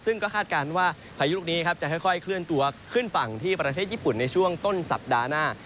ซึ่งก็คาดการณ์ว่าพายุลูกนี้ครับจะค่อยเคลื่อนตัวขึ้นฝั่งที่ประเทศญี่ปุ่นในช่วงต้นสัปดาห์หน้า